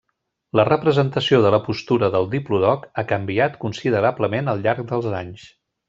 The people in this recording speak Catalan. La representació de la postura del diplodoc ha canviat considerablement al llarg dels anys.